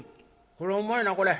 これうまいなこれ。